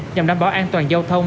nhằm đảm bảo an toàn giao thông